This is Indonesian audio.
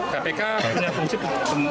kpk punya fungsi